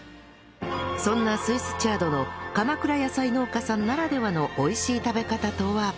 そんなスイスチャードの鎌倉野菜農家さんならではの美味しい食べ方とは？